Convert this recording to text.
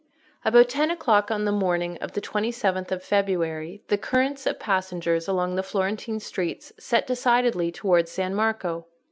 About ten o'clock on the morning of the twenty seventh of February the currents of passengers along the Florentine streets set decidedly towards San Marco.